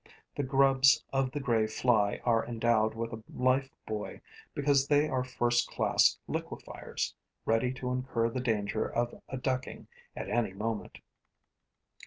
The grubs of the gray fly are endowed with a life buoy because they are first class liquefiers, ready to incur the danger of a ducking at any moment.